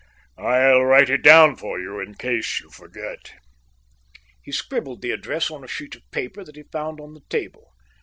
"I'll write it down for you in case you forget." He scribbled the address on a sheet of paper that he found on the table.